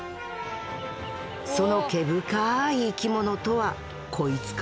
その毛深い生きものとはこいつか？